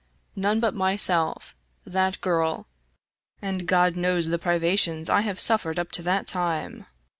None but myself, that girl, and God knows the privations I had suf fered up to that time.